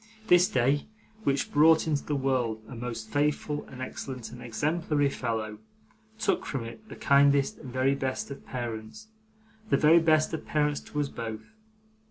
This day, which brought into the world a most faithful and excellent and exemplary fellow, took from it the kindest and very best of parents, the very best of parents to us both.